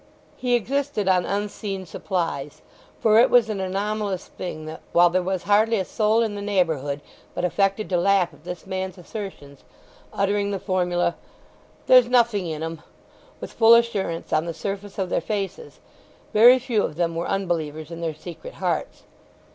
He existed on unseen supplies; for it was an anomalous thing that while there was hardly a soul in the neighbourhood but affected to laugh at this man's assertions, uttering the formula, "There's nothing in 'em," with full assurance on the surface of their faces, very few of them were unbelievers in their secret hearts.